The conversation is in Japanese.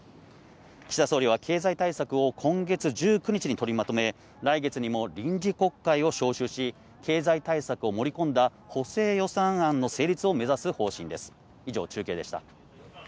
岸田総理は経済対策を今月１９日に取りまとめ、来月にも臨時国会を召集し、経済対策を盛り込んだ補正予算案の成立を目指す方針です。